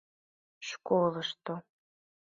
ШКОЛЫШТО